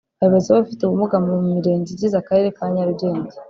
Abayobozi b’abafite ubumuga mu Mirenge igize Akarere ka Nyarugenge